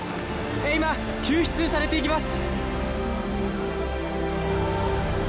今救出されていきます